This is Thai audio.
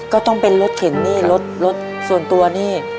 ก็ต้องเป็นรถเข็นนี่รถรถส่วนตัวนี่